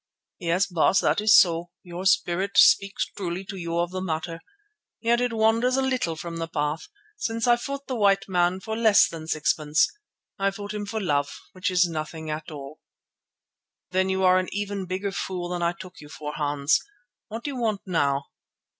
"Yes, Baas, that is so. Your spirit speaks truly to you of the matter. Yet it wanders a little from the path, since I fought the white man for less than sixpence. I fought him for love, which is nothing at all." "Then you are even a bigger fool than I took you for, Hans. What do you want now?"